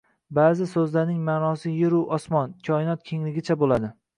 ba’zi so‘zlarning ma’nosi yer-u osmon – Koinot kengligicha bo‘ladi.